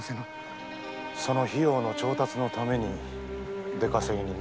その費用の調達のために出稼ぎにな。